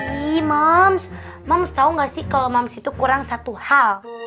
ih moms moms tau gak sih kalau moms itu kurang satu hal